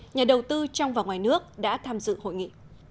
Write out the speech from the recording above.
nhà đầu tư trong và ngoài nước đã tham dự hội nghị